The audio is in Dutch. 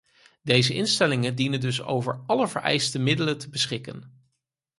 Deze instellingen dienen dus over alle vereiste middelen te beschikken.